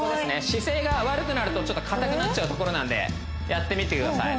姿勢が悪くなるとちょっと硬くなっちゃうところなのでやってみてください